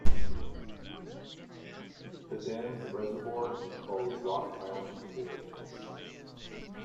The dam's reservoir is called Rock Island Pool.